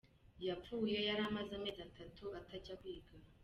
Yapfuye yari amaze amezi atatu atajya kwiga.